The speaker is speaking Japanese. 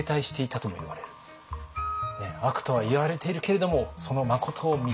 悪とはいわれているけれどもそのまことを見きわめよ。